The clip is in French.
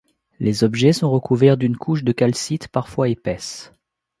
Les objets sont recouverts d'une couche de calcite parfois épaisse.